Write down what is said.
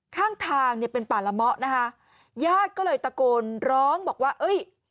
ข้างทางเนี่ยเป็นป่าละเมาะนะคะญาติก็เลยตะโกนร้องบอกว่าเอ้ย